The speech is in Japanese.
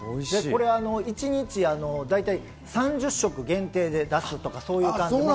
一日だいたい３０食限定で出すとか、そういう感じ。